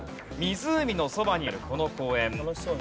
湖のそばにあるこの公園